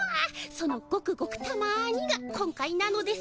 その「ごくごくたまに」が今回なのですね。